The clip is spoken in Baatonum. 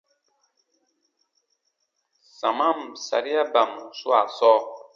Samaan sariaban swaa sɔɔ.